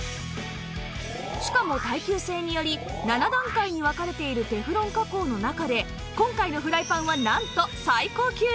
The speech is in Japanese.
しかも耐久性により７段階に分かれているテフロン加工の中で今回のフライパンはなんと最高級ランク！